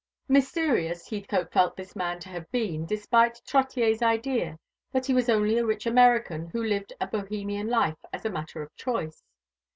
Mysterious, Heathcote felt this man to have been, despite Trottier's idea that he was only a rich American who lived a Bohemian life as a matter of choice.